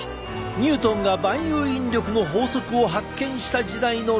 ニュートンが万有引力の法則を発見した時代の論文も！